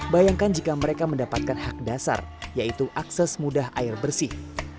bayangkan jika mereka mendapatkan hak dasar yaitu akses mudah air bersih